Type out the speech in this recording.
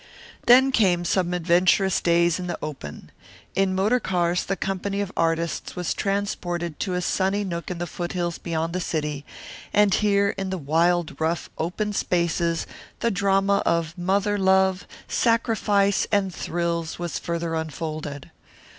Then came some adventurous days in the open. In motor cars the company of artists was transported to a sunny nook in the foothills beyond the city, and here in the wild, rough, open spaces, the drama of mother love, sacrifice, and thrills was further unfolded.